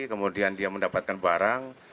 kemudian dia mendapatkan barang